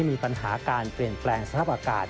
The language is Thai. มีปัญหาการเปลี่ยนแปลงสภาพอากาศ